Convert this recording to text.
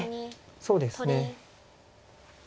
そうですね。